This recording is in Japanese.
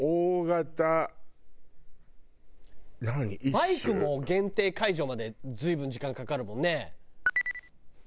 バイクも限定解除まで随分時間かかるもんね。